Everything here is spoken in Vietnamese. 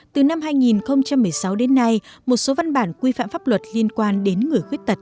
từ năm hai nghìn một mươi sáu đến nay một số văn bản quy phạm pháp luật liên quan đến người khuyết tật